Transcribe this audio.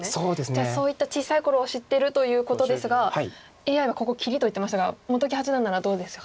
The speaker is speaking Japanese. じゃあそういった小さい頃を知ってるということですがＡＩはここ切りと言ってましたが本木八段ならどうですか。